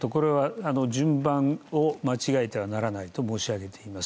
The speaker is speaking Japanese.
順番を間違えてはならないと申し上げています。